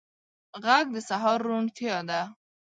غږ د سهار روڼتیا ده